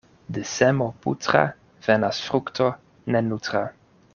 De semo putra venas frukto ne nutra.